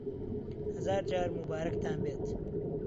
هەزار جار موبارەکتان بێت